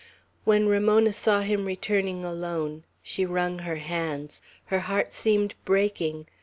When Ramona saw him returning alone, she wrung her hands. Her heart seemed breaking.